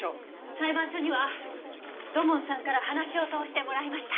裁判所には土門さんから話を通してもらいました。